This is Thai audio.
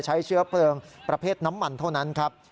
เชื้อเพลิงประเภทน้ำมันเท่านั้นครับ